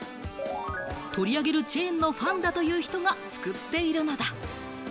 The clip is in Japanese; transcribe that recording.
取り上げるチェーンのファンだという人が作っているのだ。